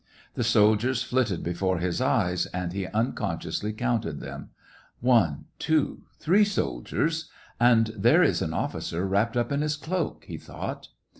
The soldiers flitted before his eyes, and he unconsciously counted them :*' One, two, three soldiers ; and there is an officer, wrapped up in his cloak," he thought.